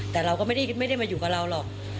แต่เราก็ไม่ได้มาอยู่กับเราหรอก